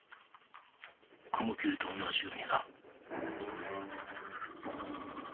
雲霧と同じようにな。